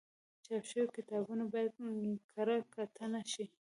چاپ شوي کتابونه باید کره کتنه شي.